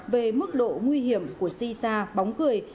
về mức độ nguy hiểm của si sa bóng cười